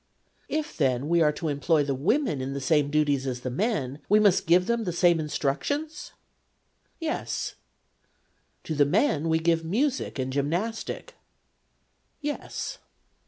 ' If, then, we are to employ the women in the same duties as the men, we must give them the same in structions ?'' Yes.' 1 To the men we give music and gymnastic* ' Yes.'